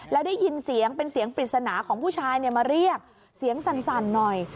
แล้วได้ยินเสียงเป็นเสียงปริศนาของผู้ชายมาเรียกเสียงสั่นหน่อย